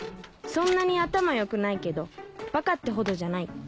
そんなに頭良くないけどバカってほどじゃない